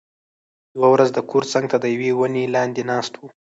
یوه ورځ د کور څنګ ته د یوې ونې لاندې ناست و،